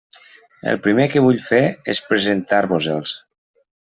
El primer que vull fer és presentar-vos-els.